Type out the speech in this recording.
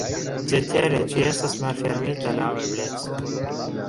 Cetere ĝi estas malfermita laŭ ebleco.